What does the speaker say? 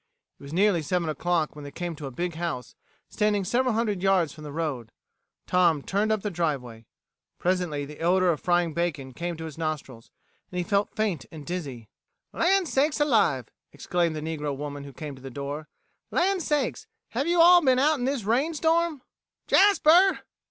It was nearly seven o'clock when they came to a big house, standing several hundred yards from the road. Tom turned up the driveway. Presently the odor of frying bacon came to his nostrils, and he felt faint and dizzy. "Lan' sakes alive," exclaimed the negro woman who came to the door. "Lan' sakes, have you all been out in this rain storm. Jasper!"